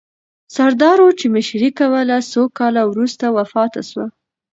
سردارو چې مشري یې کوله، څو کاله وروسته وفات سوه.